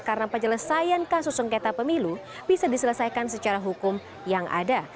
karena penjelasan kasus sengketa pemilu bisa diselesaikan secara hukum yang ada